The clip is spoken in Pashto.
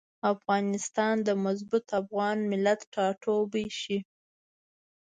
افغانستان د مضبوط افغان ملت ټاټوبی شي.